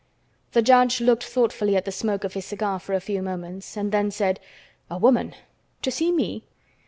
The judge looked thoughtfully at the smoke of his cigar for a few moments, and then said: "A woman! To see me?